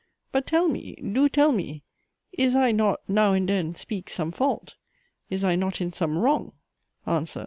But tell me, do tell me, Is I not, now and den, speak some fault? Is I not in some wrong? ANSWER.